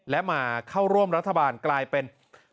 และมาเข้าร่วมรัฐบาลกลายเป็น